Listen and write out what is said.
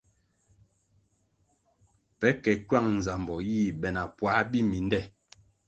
Pe ke kywang nzambo yih be na puãh biminde.